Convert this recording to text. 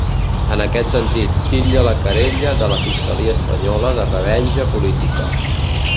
En aquest sentit, titlla la querella de la fiscalia espanyola de ‘revenja política’.